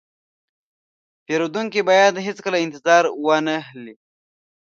پیرودونکی باید هیڅکله انتظار وانهخلي.